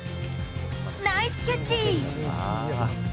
ナイスキャッチ。